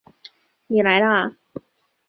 你来了啊